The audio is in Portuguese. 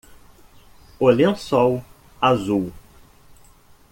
O lençol azul.